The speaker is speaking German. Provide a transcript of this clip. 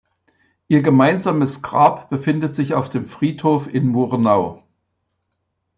Ihr gemeinsames Grab befindet sich auf dem Friedhof in Murnau.